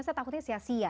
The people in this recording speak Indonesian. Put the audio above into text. saya takutnya sia sia